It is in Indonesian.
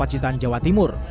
di jawa timur